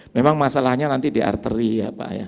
memang masalahnya nanti di arteri ya pak ya